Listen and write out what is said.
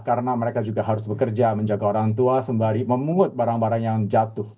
karena mereka juga harus bekerja menjaga orang tua sembari memut barang barang yang jatuh